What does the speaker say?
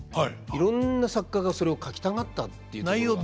いろんな作家がそれを書きたがったっていうところが。